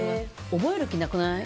覚える気、なくない？